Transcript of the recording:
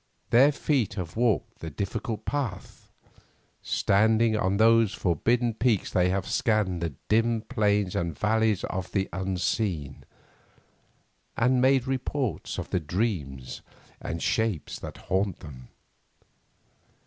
Their feet have walked the difficult path; standing on those forbidden peaks they have scanned the dim plains and valleys of the unseen, and made report of the dreams and shapes that haunt them.